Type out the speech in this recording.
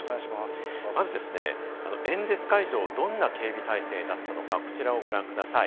まず演説会場、どんな警備態勢だったのか、こちらをご覧ください。